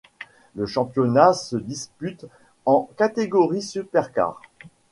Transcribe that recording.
Le championnat se dispute en catégorie Supercar.